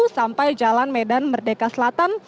sampai jalan medan merdeka selatan